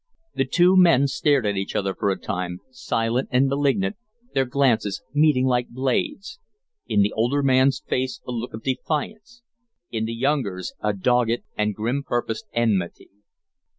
The two men stared at each other for a time, silent and malignant, their glances meeting like blades; in the older man's face a look of defiance, in the younger's a dogged and grim purposed enmity.